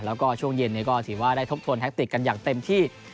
แล้วก็ช่วงเย็นก็ถือว่าได้ทบทวนแท็กติกกันอย่างเต็มที่